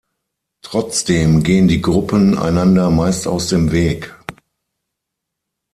Trotzdem gehen die Gruppen einander meist aus dem Weg.